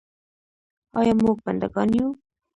آیا موږ بنده ګان یو؟